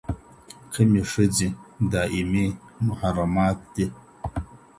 کومي ښځي دائمي محرمات دي؟